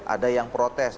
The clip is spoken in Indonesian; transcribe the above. ada yang protes